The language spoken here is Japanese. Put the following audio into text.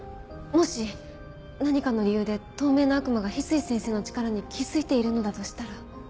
もし何かの理由で透明な悪魔が翡翠先生の力に気付いているのだとしたら。